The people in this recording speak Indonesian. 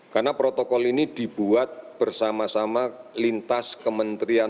karena protokol ini dibuat bersama sama lintas kementerian